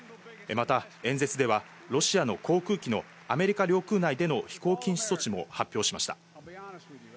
また演説ではロシアの航空機のアメリカ領空内での飛行禁止措置も発表しました。